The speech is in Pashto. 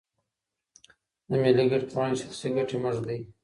د ملي ګټو پر وړاندې شخصي ګټې مه ږدئ.